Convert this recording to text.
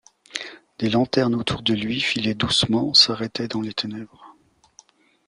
Des lanternes, autour de lui, filaient doucement, s’arrêtaient dans les ténèbres.